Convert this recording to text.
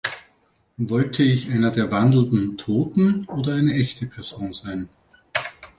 Wollte ich einer der wandelnden Toten oder eine echte Person sein?